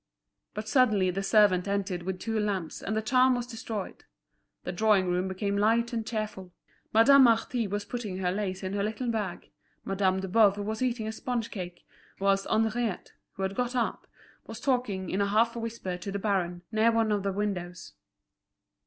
But suddenly the servant entered with two lamps, and the charm was destroyed. The drawing room became light and cheerful. Madame Marty was putting her lace in her little bag, Madame de Boves was eating a sponge cake, whilst Henriette who had got up, was talking in a half whisper to the baron, near one of the windows.